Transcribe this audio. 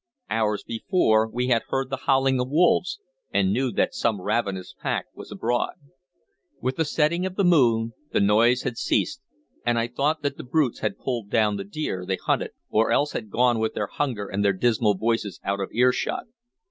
Hours before we had heard the howling of wolves, and knew that some ravenous pack was abroad. With the setting of the moon the noise had ceased, and I thought that the brutes had pulled down the deer they hunted, or else had gone with their hunger and their dismal voices out of earshot.